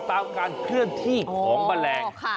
ตามการเคลื่อนที่ของแมลง